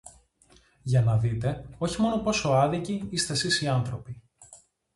για να δείτε, όχι μόνο πόσο άδικοι είστε σεις οι άνθρωποι